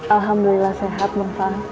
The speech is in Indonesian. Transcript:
alhamdulillah sehat bang faang